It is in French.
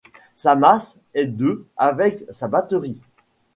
Sa masse est de avec sa batterie.